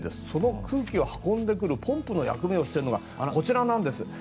その空気を運んでくるポンプの役目をしているのがこちらなんです。